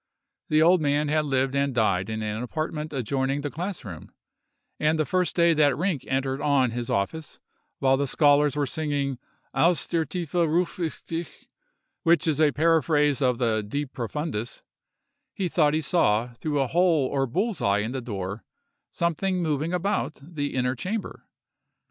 The old man had lived and died in an apartment adjoining the class room; and the first day that Rinck entered on his office, while the scholars were singing Aus der tiefe ruf ich dich, which is a paraphrase of the De profundis, he thought he saw, through a hole or bull's eye in the door, something moving about the inner chamber.